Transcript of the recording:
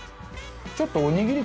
ちょっとおにぎり感